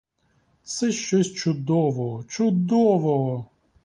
Це щось чудового, чудового!